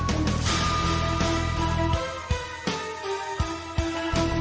ก็ไม่น่าจะดังกึ่งนะ